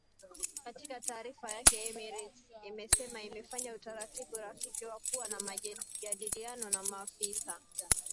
Katika taarifa yake Emirates imesema imefanya utaratibu rafiki wa kuwa na majadiliano na maafisa